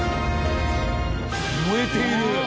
燃えている！